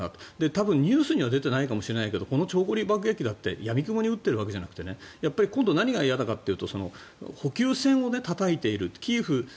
多分、ニュースには出ていないかもしれないけどこの長距離爆撃機だってやみくもに撃っているわけじゃなくて今度、何が嫌かというと補給線をたたいている。